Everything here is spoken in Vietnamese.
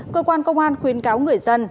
cơ quan công an khuyên cáo người dân